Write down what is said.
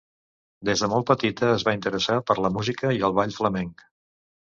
Des de molt petita es va interessar per la música i el ball flamenc.